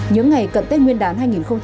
những ngày cận tết nguyên đán hai nghìn hai mươi